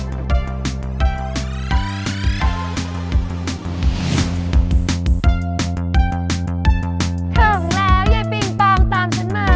ถึงแล้วยายปิงปองตามฉันมา